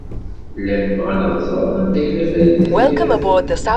Llan bɣan ad ẓren anda yella Farid n At Yiraten.